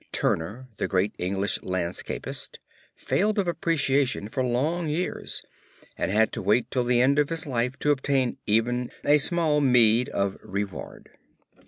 Turner, the great English landscapist, failed of appreciation for long years and had to wait till the end of his life to obtain even a small meed of reward.